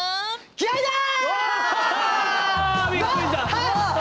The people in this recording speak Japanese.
気合いだー！